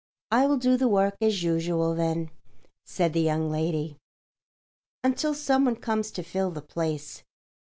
"I will do the work as usual, then," said the young lady, "until some one comes to fill the place."